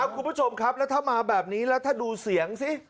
คุณผู้ชมครับแล้วถ้ามาแบบนี้แล้วถ้าดูเสียงสิ